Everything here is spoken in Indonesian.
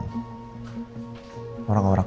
itu semuanya isinya tentang